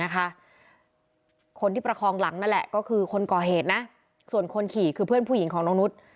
คนที่ประคองหลังนั่นแหละก็คือคนก่อเหตุนะส่วนคนขี่คือเพื่อนผู้หญิงของน้องนุษย์